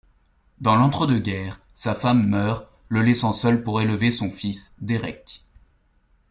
Dans l'entre-deux-guerres, sa femme meurt, le laissant seul pour élever son fils, Derek.